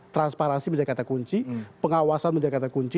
transparansi menjadi kata kunci pengawasan menjadi kata kunci